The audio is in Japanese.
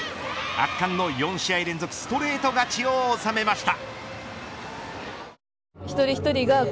圧巻の４試合連続ストレート勝ちを収めました。